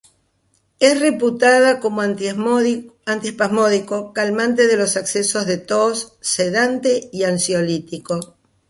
Es reputada como antiespasmódico, calmante de los accesos de tos, sedante y ansiolítico.